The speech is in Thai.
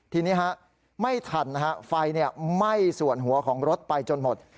ทีนี้ฮะไม่ทันนะฮะไฟไหม้ส่วนหัวของรถไปจนหมด